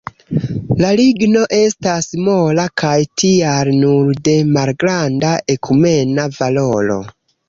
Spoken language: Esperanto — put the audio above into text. La ligno estas mola kaj tial nur de malgranda ekumena valoro.